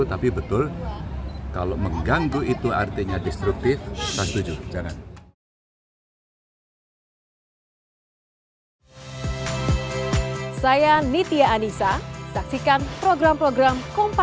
tapi betul kalau mengganggu itu artinya destruktif saya setuju jangan